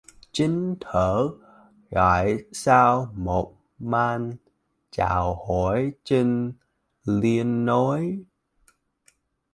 Chính thở dài sau một màn chào hỏi chinh liền nói